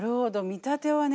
「見立て」はね